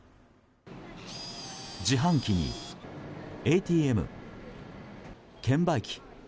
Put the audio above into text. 自販機にＡＴＭ、券売機。